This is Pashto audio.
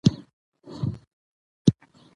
سیلانی ځایونه د افغانستان د امنیت په اړه هم اغېز لري.